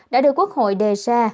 đã được quốc hội đề ra